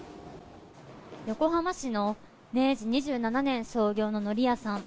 横浜市の明治２７年創業ののり屋さん。